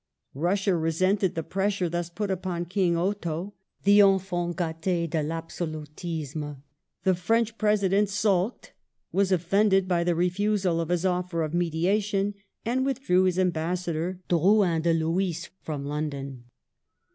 Russia resented the pressure thus put upon King Otho, the enfant gdtS de Vahsolutiame ; the French President sulked, was offended by the refusal of his offer of mediation, and withdrew his Ambassador, Droun de Lhuys, from London.